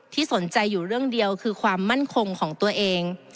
สนใจอยู่เรื่องเดียวคือความมั่นคงของตัวเอง